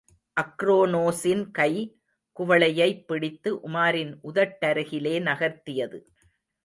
அக்ரோனோஸின் கை, குவளையைப் பிடித்து உமாரின் உதட்டருகிலே நகர்த்தியது.